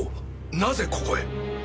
なぜここへ！？